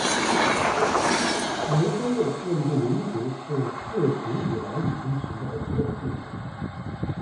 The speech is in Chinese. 原生论认定民族是至古以来已经存在的自然现象。